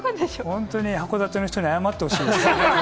本当に函館の人に謝ってほしいです。